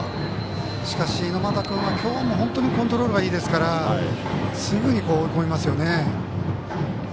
しかし、猪俣君は今日も本当にコントロールがいいですからすぐに追い込みますよね。